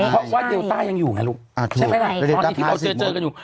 เพราะว่าเดลตายังอยู่ไงลูก